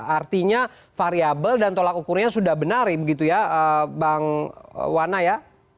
artinya variable dan tolak ukurnya sudah benar begitu ya bang wana ya